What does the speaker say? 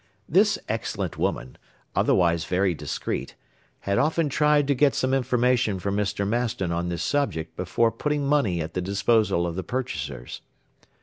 This excellent woman, otherwise very discreet, had often tried to get some information from Mr. Maston on this subject before putting money at the disposal of the purchasers.